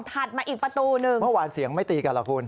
ถัดมาอีกประตูนึงเมื่อวานเสียงไม่ตีกันเหรอคุณ